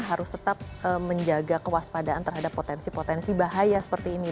harus tetap menjaga kewaspadaan terhadap potensi potensi bahaya seperti ini